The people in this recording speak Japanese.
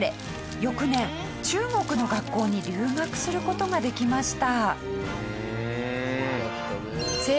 翌年中国の学校に留学する事ができました。